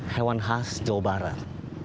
hewan khas jawa barat